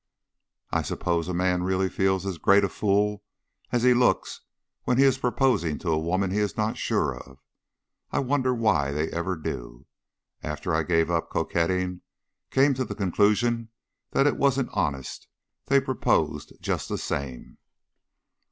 "I suppose a man really feels as great a fool as he looks when he is proposing to a woman he is not sure of. I wonder why they ever do. After I gave up coquetting, came to the conclusion that it wasn't honest, they proposed just the same."